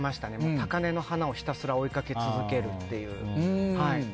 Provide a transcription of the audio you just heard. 高嶺の花をひたすら追いかけ続けるっていう。